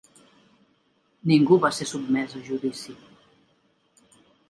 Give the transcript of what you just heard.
Ningú va ser sotmès a judici.